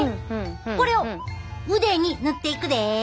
これを腕に塗っていくで！